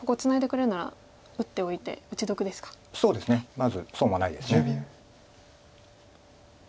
まず損はないです。